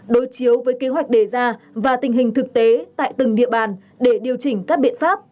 đối chiếu với kế hoạch đề ra và tình hình thực tế tại từng địa bàn để điều chỉnh các biện pháp